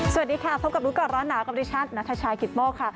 สวัสดีค่ะพบกับรู้ก่อนร้อนหนาวกับดิฉันนัทชายกิตโมกค่ะ